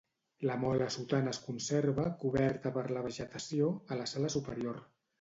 La mola sotana es conserva, coberta per la vegetació, a la sala superior.